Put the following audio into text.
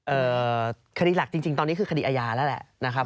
คดีหลักจริงจริงตอนนี้คือคดีอาญาแล้วแหละนะครับ